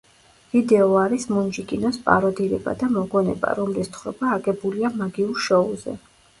ვიდეო არის მუნჯი კინოს პაროდირება და მოგონება, რომლის თხრობა აგებულია „მაგიურ შოუზე“.